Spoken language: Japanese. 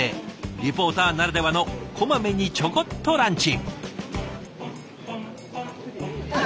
リポーターならではのこまめにちょこっとランチ。